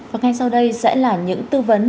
và ngay sau đây sẽ là những tư vấn